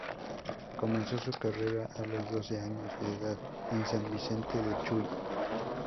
Comenzó su carrera a los doce años de edad, en San Vicente de Chuy.